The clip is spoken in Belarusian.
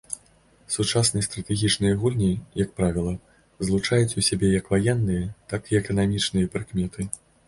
Сучасныя стратэгічныя гульні, як правіла, злучаюць у сабе як ваенныя, так і эканамічныя прыкметы.